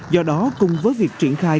do đó cùng với việc triển khai